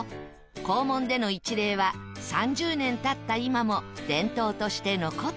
校門での一礼は３０年経った今も伝統として残っているんです。